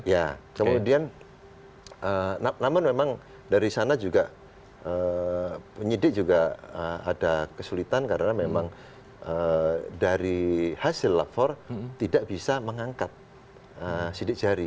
ya kemudian namun memang dari sana juga penyidik juga ada kesulitan karena memang dari hasil lapor tidak bisa mengangkat sidik jari